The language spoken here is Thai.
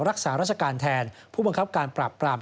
รักษาราชการแทนผู้บังคับการปราบปราม